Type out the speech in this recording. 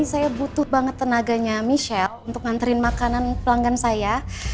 saya butuh banget tenaganya michelle untuk nganterin makanan pelanggan saya